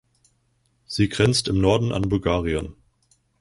Sie grenzt im Norden an Bulgarien.